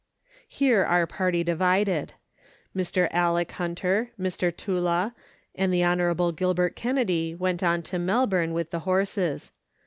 Here our party divided. Mr. Alick Hunter, Mr. Tulloh, and the Honourable Gilbert Kennedy went on to Melbourne with the horses.